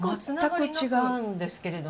全く違うんですけれども。